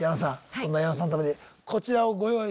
そんな矢野さんのためにこちらをご用意したんです。